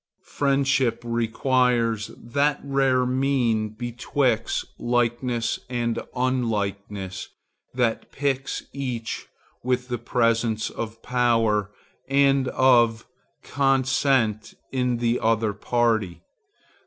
Friendship requires that rare mean betwixt likeness and unlikeness that piques each with the presence of power and of consent in the other party.